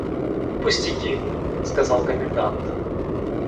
«Пустяки! – сказал комендант.